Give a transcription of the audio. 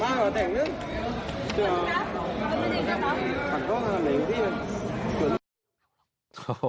มาล่ะแต่งซึ่ง